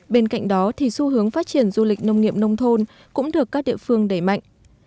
bên cạnh đó thì xu hướng phát triển du lịch nông nghiệp nông thôn cũng được các địa phương đẩy mạnh